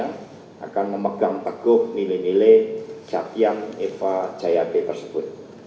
kami akan memegang teguk milih milih satyang eva jayade tersebut